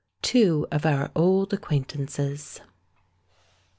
TWO OF OUR OLD ACQUAINTANCES.